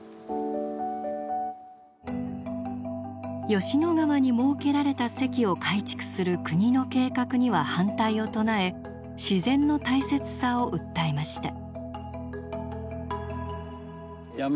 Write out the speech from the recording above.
吉野川に設けられた堰を改築する国の計画には反対を唱え自然の大切さを訴えました。